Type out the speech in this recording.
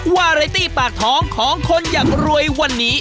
วาไรตี้ปากท้องของคนอยากรวยวันนี้